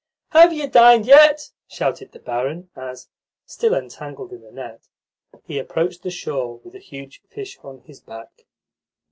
"Have you dined yet?" shouted the barin as, still entangled in the net, he approached the shore with a huge fish on his back.